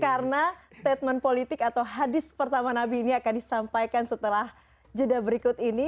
karena statement politik atau hadis pertama nabi ini akan disampaikan setelah jeda berikut ini